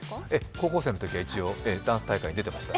高校生のときは一応ダンス大会出てました。